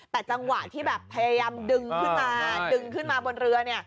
แต่จังหวะที่แบบพยายามดึงขึ้นมาดึงขึ้นมาบนเรือ